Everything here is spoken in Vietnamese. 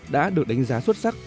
đã được đánh giá xuất sắc